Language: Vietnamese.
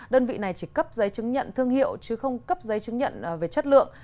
đơn vị này chỉ cấp giấy chứng nhận thương hiệu chứ không cấp giấy chứng nhận về chất lượng